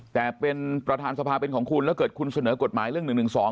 แต่เป็นประทานสภาเป็นของคุณกดหมายเรื่อง๑๑๒เข้ามา